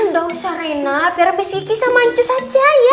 gak usah rina biar miss kiki sama anjus aja ya